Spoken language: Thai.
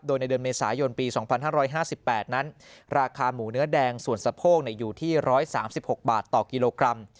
โดยในเดือนเมษายนปี๒๕๕๘นั้นราคาหมูเนื้อแดงส่วนสะโพกอยู่ที่๑๓๖บาทต่อกิโลกรัม